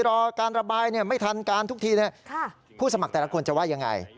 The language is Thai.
รอการระบายไม่ทันการทุกทีผู้สมัครแต่ละคนจะว่ายังไง